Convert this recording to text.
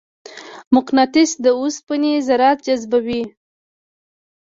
مقناطیس د اوسپنې ذرات جذبوي.